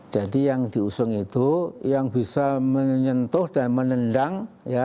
jadi yang diusung itu yang bisa menyentuh dan menendang ya